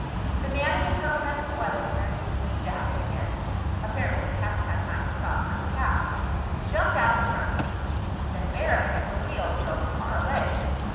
The man in the turtle neck sweater, wearing his pea jacket again—apparently he hadn't had time to stop for his cap—jumped out of the front seat. Then Barrack, at the wheel, drove the car away.